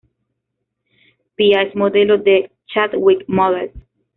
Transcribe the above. Pia es modelo de Chadwick Models.